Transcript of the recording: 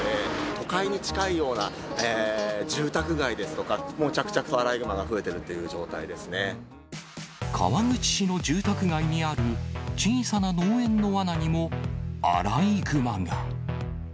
都会に近いような住宅街ですとか、もう着々とアライグマが増えてる川口市の住宅街にある小さな農園のわなにもアライグマが。